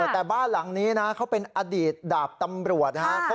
แต่บ้านหลังนี้นะเขาเป็นอดีตดาบตำรวจนะครับ